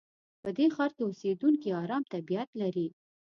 په دې ښار کې اوسېدونکي ارام طبیعت لري.